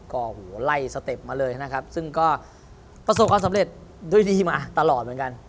โอ้โหไล่สเต็ปมาเลยนะครับซึ่งก็ประสบความสำเร็จด้วยดีมาตลอดเหมือนกัน